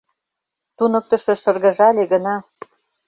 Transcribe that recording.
Туныктышо шыргыжале гына.